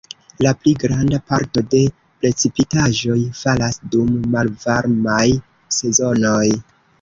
La pli granda parto de precipitaĵoj falas dum malvarmaj sezonoj.